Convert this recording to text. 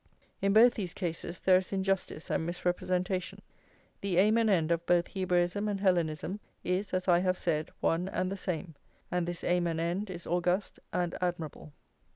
In both these cases there is injustice and misrepresentation. The aim and end of both Hebraism and Hellenism is, as I have said, one and the same, and this aim and end is august and admirable.